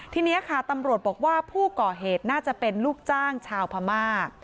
ทีนี้ค่ะตำรวจบอกว่าผู้ก่อเหตุน่าจะเป็นลูกจ้างชาวพม่า